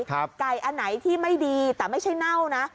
ไก่อันไหนที่ไม่ดีแต่ไม่ใช่เน่านะ